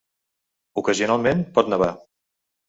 Ocasionalment, pot nevar.